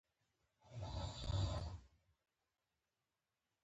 سیلاني ځایونه د افغانستان په هره برخه کې شته.